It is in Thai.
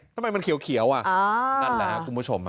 ทำไมมันเขียวนั่นแหละคุณผู้ชม